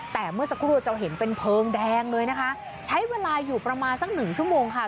แต่เมื่อสักครู่จะเห็นเป็นเพลิงแดงเลยนะคะใช้เวลาอยู่ประมาณสักหนึ่งชั่วโมงค่ะ